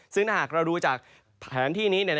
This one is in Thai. ซึ่งถ้าหากเราดูจากแผนที่นี้